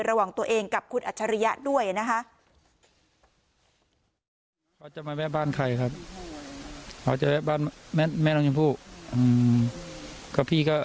ระหว่างตัวเองกับคุณอัจฉริยะด้วยนะคะ